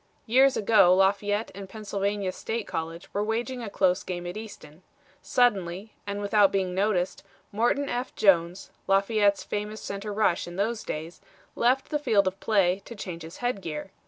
Years ago Lafayette and Pennsylvania State College were waging a close game at Easton. Suddenly, and without being noticed, Morton F. Jones, Lafayette's famous center rush in those days, left the field of play to change his head gear.